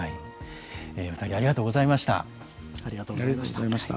お二人ありがとうございました。